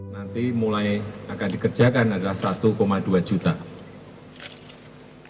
nanti mulai akan dikerjakan adalah satu dua juta